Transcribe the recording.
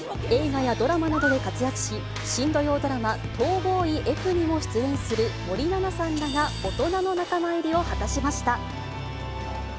映画やドラマなどで活躍し、新土曜ドラマ、逃亡医Ｆにも出演する、森七菜さんらが、大人の仲間入りを果たしました。